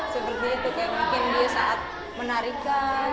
seperti itu kayak mungkin dia saat menarikan